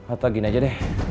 atau gini aja deh